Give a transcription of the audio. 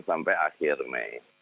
sampai akhir mei